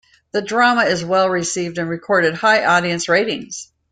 The drama is well received and recorded high audience rating.